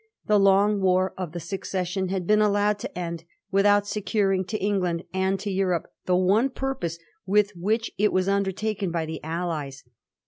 The long War of the Succession had been allowed to end with out securing to England and to Europe the one purpose with which it was undertaken by the allies.